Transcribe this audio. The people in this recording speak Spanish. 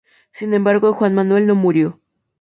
Sin embargo, Juan Manuel no murió.